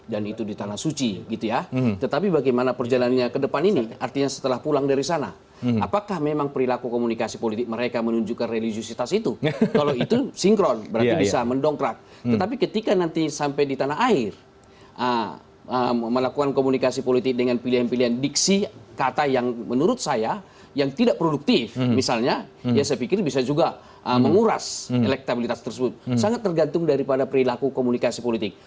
dan itu di tanah suci gitu ya tetapi bagaimana perjalanannya ke depan ini artinya setelah pulang dari sana apakah memang perilaku komunikasi politik mereka menunjukkan religiositas itu kalau itu sinkron berarti bisa mendongkrak tetapi ketika nanti sampai di tanah air melakukan komunikasi politik dengan pilihan pilihan diksi kata yang menurut saya yang tidak produktif misalnya ya saya pikir bisa juga menguras elektabilitas tersebut sangat tergantung daripada perilaku komunikasi politik